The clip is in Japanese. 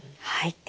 はい。